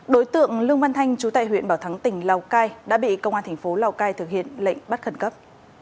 đối tượng lương văn thanh chú tại huyện bảo thắng tỉnh lào cai đã bị công an thành phố lào cai thực hiện lệnh bắt khẩn cấp